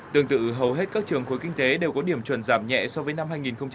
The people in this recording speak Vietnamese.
tương tự hầu hết các trường khối kinh tế đều có điểm chuẩn giảm nhẹ so với năm hai nghìn một mươi tám